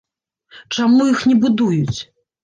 Чаму іх не будуюць?